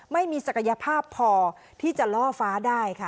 ไม่มีศักยภาพพอที่จะล่อฟ้าได้ค่ะ